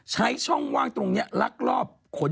ใช้ช่องว่างตรงนี้ลักลอบขน